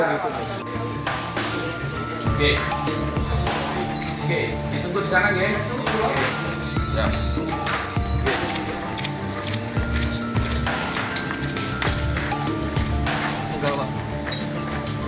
burung apa si